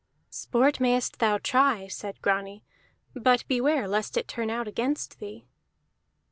"Sport mayest thou try," said Grani, "but beware lest it turn out against thee."